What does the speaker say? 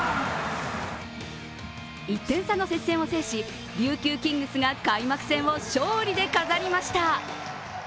１点差の接戦を制し琉球キングスが開幕戦を勝利で飾りました。